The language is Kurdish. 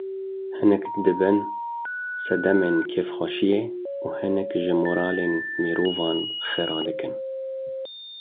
Hinek dibin sedemên kêfxweşiyê û hinek jî moralên mirovan xera dikin.